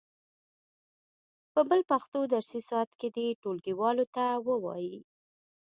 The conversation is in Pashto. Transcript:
په بل پښتو درسي ساعت کې دې ټولګیوالو ته و وایي.